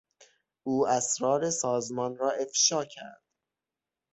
او اسرار سازمان را افشا کرد.